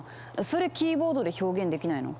それキーボードで表現できないの？